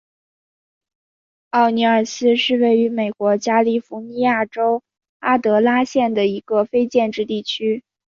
奥尼尔斯是位于美国加利福尼亚州马德拉县的一个非建制地区。